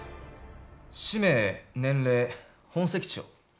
氏名年齢本籍地は？